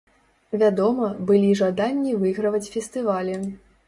Вядома, былі жаданні выйграваць фестывалі.